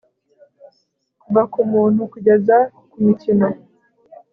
kuva kumuntu kugeza kumikino